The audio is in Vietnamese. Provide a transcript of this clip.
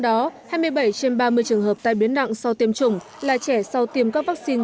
trong đó hai mươi bảy trên ba mươi trường hợp tai biến nặng sau tiêm chủng là trẻ sau tiêm các vaccine